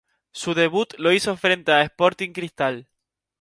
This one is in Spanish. Su debut lo hizo frente a Sporting Cristal.